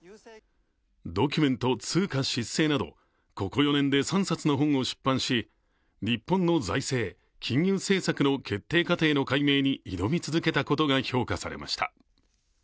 「ドキュメント通貨失政」などここ４年で３冊の本を出版し日本の財政・金融政策の決定過程の解明に挑み続けたことが評価されました。